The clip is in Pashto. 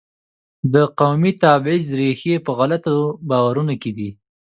د قومي تبعیض ریښې په غلطو باورونو کې دي.